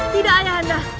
tidak ayah anda